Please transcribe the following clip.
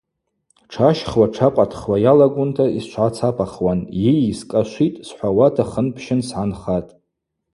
Тшащхуа, тшакъватхуа йалагунта йсчвгӏацапахуан, йый, скӏашвитӏ – схӏвауата хын-пщын сгӏанхатӏ.